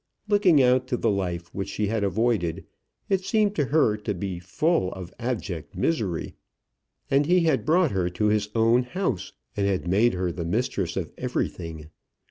Looking out to the life which she had avoided, it seemed to her to be full of abject misery. And he had brought her to his own house, and had made her the mistress of everything.